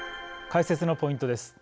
解説のポイントです。